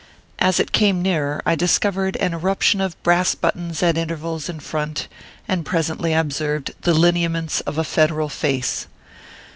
As it came nearer, I dis covered an eruption of brass buttons at intervals in front, and presently I observed the lineaments of a Federal face.